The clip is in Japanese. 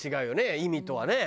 意味とはね。